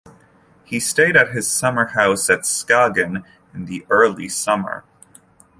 He stayed at his summer house at Skagen in the early summer.